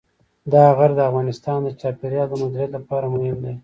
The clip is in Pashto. دا غر د افغانستان د چاپیریال د مدیریت لپاره مهم دی.